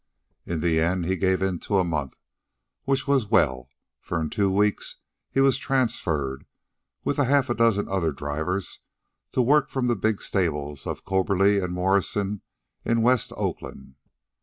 In the end, he gave in to a month, which was well, for in two weeks he was transferred, with half a dozen other drivers, to work from the big stables of Corberly and Morrison in West Oakland.